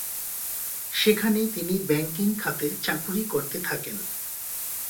সেখানে তিনি ব্যাংকিং খাতে চাকুরী করতে থাকেন।